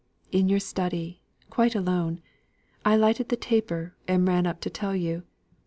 "In your study, quite alone. I lighted the taper, and ran up to tell you.